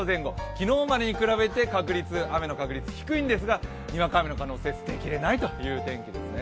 昨日までに比べて、雨の確率は低いんですが、にわか雨の可能性捨てきれないということですね。